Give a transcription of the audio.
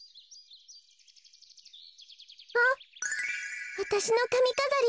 あっわたしのかみかざり。